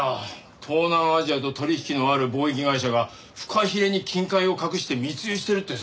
東南アジアと取引のある貿易会社がフカヒレに金塊を隠して密輸してるってさ。